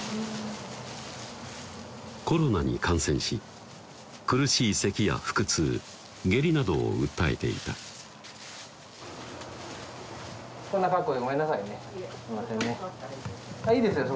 コロナに感染し苦しい咳や腹痛下痢などを訴えていたこんな格好でごめんなさいねすいませんねいいですよ